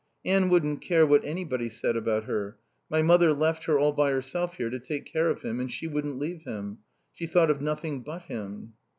"Anne wouldn't care what anybody said about her. My mother left her all by herself here to take care of him and she wouldn't leave him. She thought of nothing but him."